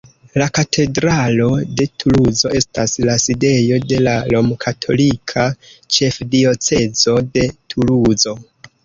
La katedralo de Tuluzo estas la sidejo de la Romkatolika Ĉefdiocezo de Tuluzo.